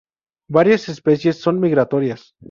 Varias especies son migratorias.